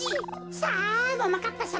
さあももかっぱさま